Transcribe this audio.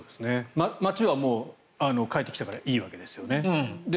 町は返ってきたからいいわけですよね。